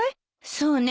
そうね